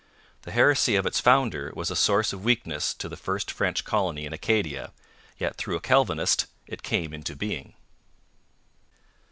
The heresy of its founder was a source of weakness to the first French colony in Acadia, yet through a Calvinist it came into being.